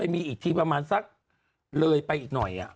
มีอีกทีประมาณสักเลยไปอีกหน่อย